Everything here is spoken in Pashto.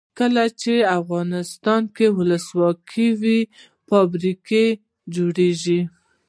کله چې افغانستان کې ولسواکي وي فابریکې جوړیږي.